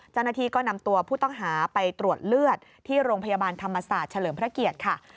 เจ้าหน้าที่ก็นำตัวผู้ต้องหาไปตรวจเลือดที่โรงพยาบาลธรรมศาสตร์เฉลิมพระเกียรติค่ะ